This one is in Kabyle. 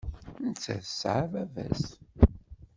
Nettat tesɛa baba-s.